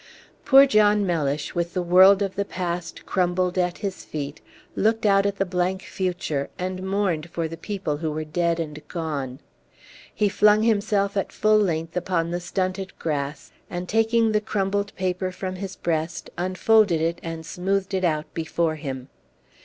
Poor John Mellish, with the world of the past crumbled at his feet, looked out at the blank future, and mourned for the people who were dead and gone. He flung himself at full length upon the stunted grass, and, taking the crumpled paper from his breast, unfolded it and smoothed it our before him.